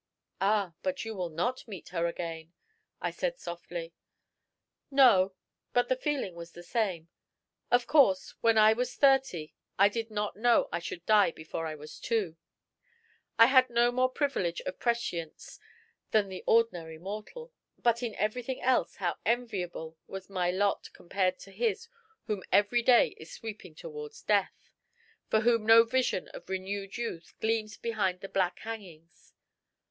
"Ah! but you will not meet her again," I said softly. "No; but the feeling was the same. Of course, when I was thirty I did not know I should die before I was two. I had no more privilege of prescience than the ordinary mortal. But in everything else how enviable was my lot compared to his whom every day is sweeping towards Death, for whom no vision of renewed youth gleams behind the black hangings!